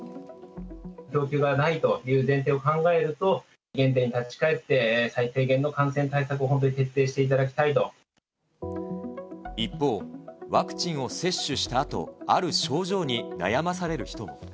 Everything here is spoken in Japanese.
供給がないという前提を考えると、原点に立ち返って、最低限の感染対策を本当に徹底していた一方、ワクチンを接種したあと、ある症状に悩まされる人も。